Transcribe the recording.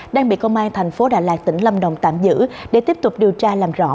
đang bị công an tp đà lạt tỉnh lâm đồng tạm giữ để tiếp tục điều tra làm rõ